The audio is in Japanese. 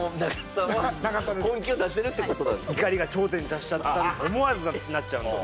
怒りが頂点に達しちゃって思わずなっちゃうんです